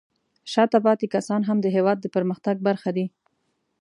شاته پاتې کسان هم د هېواد د پرمختګ برخه دي.